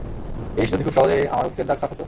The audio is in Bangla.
ইশ, যদি খুব সহজেই আমার অতীতের দাগ সাফ হতো।